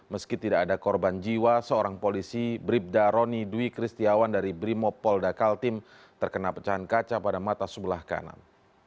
meski tidak ada korban jiwa seorang polisi bribda roni dwi kristiawan dari brimopolda kaltim terkena pecahan kaca pada mata sebelah kanan